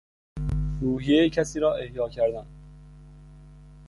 روحیهی کسی را احیا کردن